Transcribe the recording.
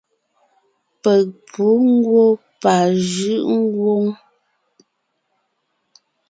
Peg pǔ ngwɔ́ pajʉʼ ngwóŋ.